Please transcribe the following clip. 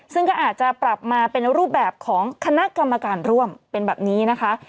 ซึ่งก็อาจจะปรับมาเป็นรูปแบบของคณะกรรมการร่วมเป็นแบบนี้นะคะ